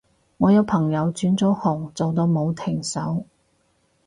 我有朋友轉咗行做到冇停手